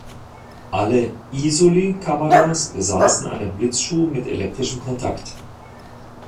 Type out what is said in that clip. Alle "Isoly"-Kameras besaßen einen Blitzschuh mit elektrischen Kontakt.